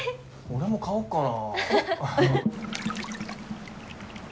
俺も買おっかなぁ。